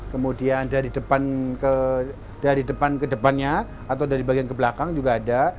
kemudian dari depan ke depannya atau dari bagian ke belakang juga ada